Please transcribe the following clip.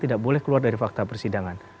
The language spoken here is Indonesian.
tidak boleh keluar dari fakta persidangan